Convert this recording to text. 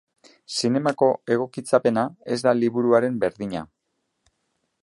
Zinemako egokitzapena ez da liburuaren berdina.